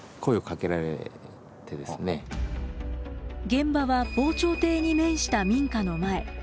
現場は防潮堤に面した民家の前。